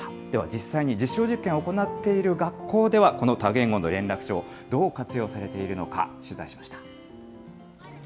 では、実際に実証実験を行っている学校では、この多言語の連絡帳、どう活用されているのか、取材しました。